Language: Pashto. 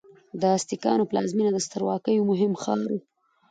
د ازتکانو پلازمینه د سترواکۍ یو مهم ښار و.